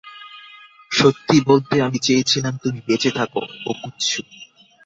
সত্যি বলতে, আমি চেয়েছিলাম তুমি বেঁচে থাকো, ওকোৎসু।